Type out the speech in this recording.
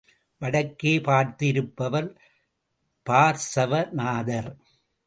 வடக்கே பார்த்து இருப்பவர் பார்ஸவ நாதர்.